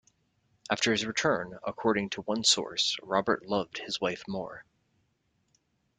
After his return according to one source Robert loved his wife more.